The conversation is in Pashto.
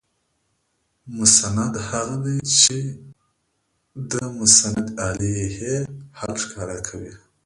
مسند هغه دئ، چي چي د مسندالیه حال ښکاره کوي.